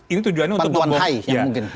ini tujuannya untuk membongkar